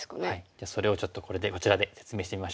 じゃあそれをちょっとこちらで説明してみましょう。